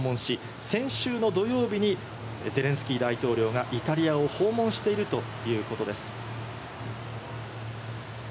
ということも含めまして、２月にウクライナを訪問し、先週の土曜日にゼレンスキー大統領がイタリアを訪問しているということです。